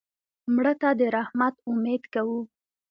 مړه ته د رحمت امید کوو